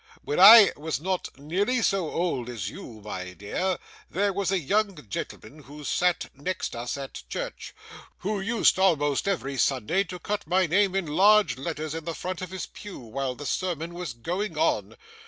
When I was not nearly so old as you, my dear, there was a young gentleman who sat next us at church, who used, almost every Sunday, to cut my name in large letters in the front of his pew while the sermon was going on.